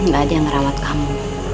gak ada yang ngerawat kamu